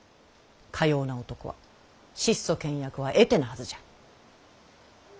かような男は質素倹約は得手なはずじゃ！